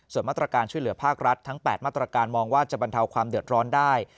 ส่วนมาตรการช่วยเหลือภาครัฐทั้ง๘มาตรการมองว่าจะบรรเทาความเดือดร้อนได้